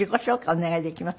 お願いできます？